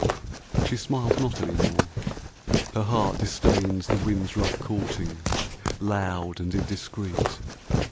She smiles not any more, her heart disdains The wind's rough courting, loud and indiscreet.